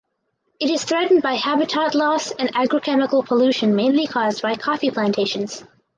It is threatened by habitat loss and agrochemical pollution mainly caused by coffee plantations.